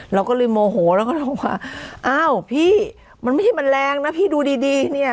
เราก็เลยโมโหแล้วก็ลงมาอ้าวพี่มันไม่ใช่มันแรงนะพี่ดูดีดีเนี่ย